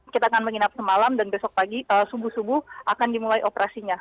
kita akan menginap semalam dan besok pagi subuh subuh akan dimulai operasinya